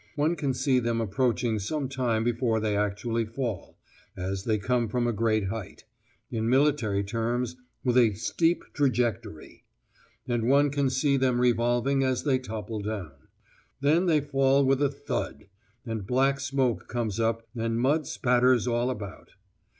One can see them approaching some time before they actually fall, as they come from a great height (in military terms, "with a steep trajectory"), and one can see them revolving as they topple down. Then they fall with a thud, and black smoke comes up and mud spatters all about.